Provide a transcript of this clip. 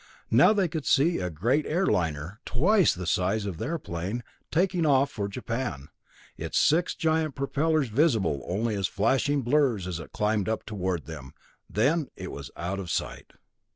Now they could see a great air liner, twice the size of their plane, taking off for Japan, its six giant propellers visible only as flashing blurs as it climbed up toward them. Then it was out of sight.